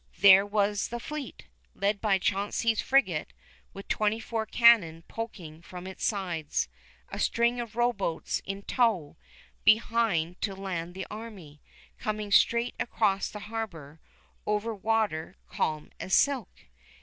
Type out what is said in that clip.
there was the fleet, led by Chauncey's frigate with twenty four cannon poking from its sides, a string of rowboats in tow behind to land the army, coming straight across the harbor over water calm as silk.